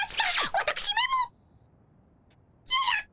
わたくしめも！ややっ。